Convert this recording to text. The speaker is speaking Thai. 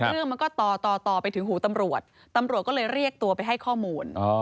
เรื่องมันก็ต่อต่อต่อไปถึงหูตำรวจตำรวจก็เลยเรียกตัวไปให้ข้อมูล